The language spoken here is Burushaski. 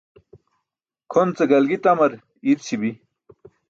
Kʰon ce galgi tamar iirćibi̇.